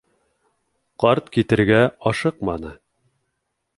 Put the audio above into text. Ҡарт китергә ашыҡманы: